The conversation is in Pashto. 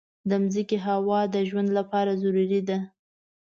د مځکې هوا د ژوند لپاره ضروري ده.